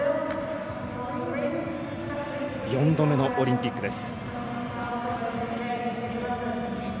４度目のオリンピックです。